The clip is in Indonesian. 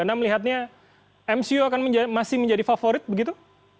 anda melihatnya mcu akan masih menjadi favorit begitu